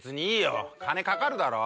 金かかるだろ？え！